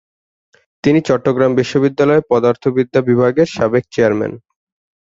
তিনি চট্টগ্রাম বিশ্ববিদ্যালয়ের পদার্থবিদ্যা বিভাগের সাবেক চেয়ারম্যান।